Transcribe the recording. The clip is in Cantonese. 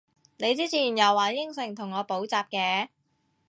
你之前又話應承同我補習嘅？